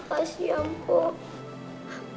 makasih ya mpok